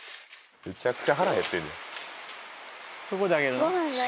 むちゃくちゃ腹へってんねん。